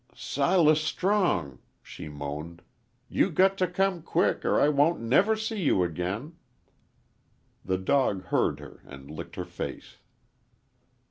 "Silas Strong," she moaned, "you got to come quick or I won't never see you again." The dog heard her and licked her face.